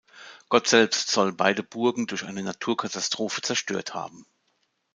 Gott selbst soll beide Burgen durch eine Naturkatastrophe zerstört haben.